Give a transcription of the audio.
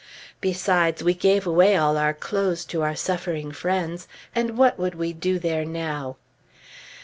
Besides, we gave away all our clothes to our suffering friends; and what would we do there now?